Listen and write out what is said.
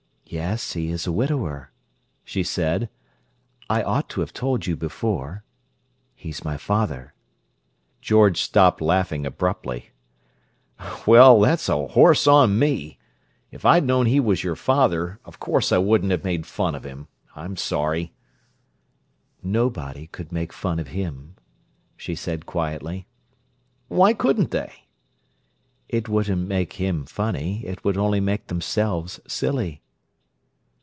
"Yes, he is a widower," she said. "I ought to have told you before; he's my father." George stopped laughing abruptly. "Well, that's a horse on me. If I'd known he was your father, of course I wouldn't have made fun of him. I'm sorry." "Nobody could make fun of him," she said quietly. "Why couldn't they?" "It wouldn't make him funny: it would only make themselves silly."